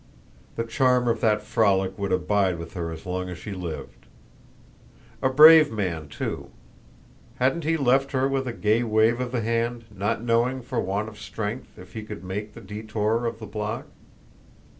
The charm of that frolic would abide with her as long as she lived. A brave man, too. Hadn't he left her with a gay wave of the hand, not knowing, for want of strength, if he could make the detour of the block?